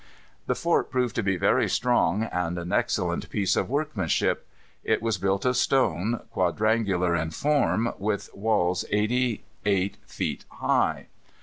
The fort proved to be very strong, and an excellent piece of workmanship. It was built of stone, quadrangular in form, with walls eighty eight feet high.